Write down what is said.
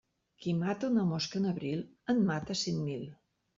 Qui mata una mosca en abril, en mata cent mil.